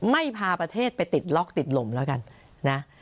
ไม่พาประเทศไปติดล็อกติดลมแล้วกันนะ